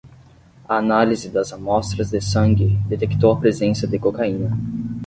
A análise das amostras de sangue detectou a presença de cocaína